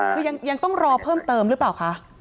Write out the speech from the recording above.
คือยังต้องรอเพิ่มเติมหรือเปล่าคะ